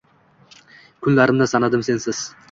Kunlarimni sanadim sensiz.